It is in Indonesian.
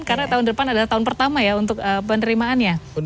karena tahun depan adalah tahun pertama ya untuk penerimaannya